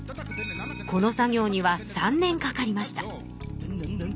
この作業には３年かかりました。